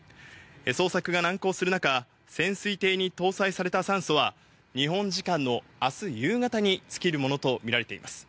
捜索が難航する中、潜水艇に搭載された酸素は日本時間のあす夕方につきるものと見られています。